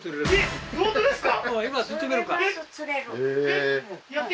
えっ